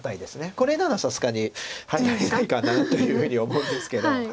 これならさすがに入られないかなというふうに思うんですけど。